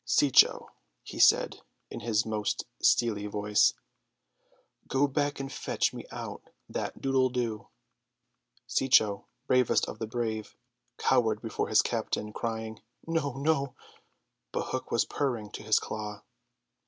"Cecco," he said in his most steely voice, "go back and fetch me out that doodle doo." Cecco, bravest of the brave, cowered before his captain, crying "No, no"; but Hook was purring to his claw.